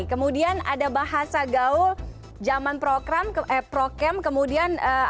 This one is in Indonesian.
kemudian ada bahasa gaul zaman prokem kemudian